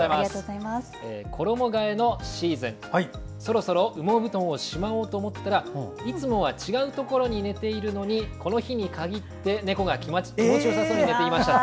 衣がえのシーズンそろそろ羽毛布団をしまおうと思ったらいつもは違うところに寝ているのにこの日に限って猫が気持ちよさそうに寝ていました。